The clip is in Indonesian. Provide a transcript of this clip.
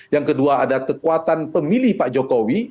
yang kedua ada kekuatan pemilih pak jokowi